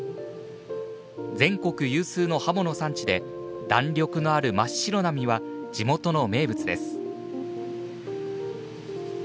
全国有数のハモの産地で弾力のある真っ白な身は地元の名物です。